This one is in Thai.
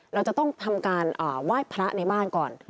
เราจะต้องทำการไหว้พระในบ้านก่อน